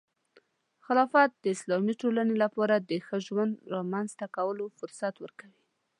خلافت د اسلامي ټولنې لپاره د ښه ژوند رامنځته کولو فرصت ورکوي.